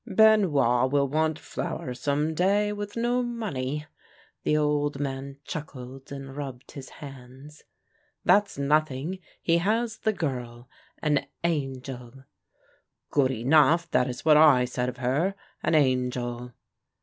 " Benoit will want flour some day, with no money." The old man chuckled and rubbed his hands. " That's nothing ; he has the girl — an angel !"" Good enough! That is what I said of her — an angel!"